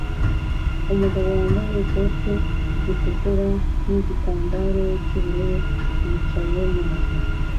Umugabo wambaye ikote ritukura nigitambara cyubururu yicaye mu nzu